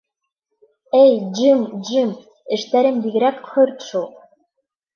Эй, Джим, Джим, эштәрем бигерәк хөрт шул.